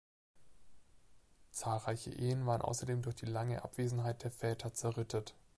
Zahlreiche Ehen waren ausserdem durch die lange Abwesenheit der Väter zerrüttet.